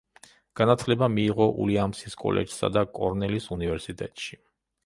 განათლება მიიღო უილიამსის კოლეჯსა და კორნელის უნივერსიტეტში.